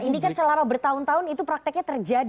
nah ini kan selama bertahun tahun itu prakteknya apa